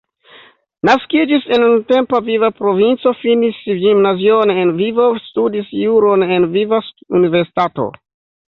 Naskiĝis en nuntempa Lviva provinco, finis gimnazion en Lvivo, studis juron en Lviva Universitato.